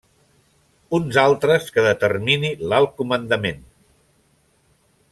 Uns altres que determini l'Alt Comandament.